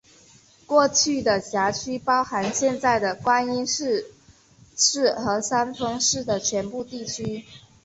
过去的辖区包含现在的观音寺市和三丰市的全部地区。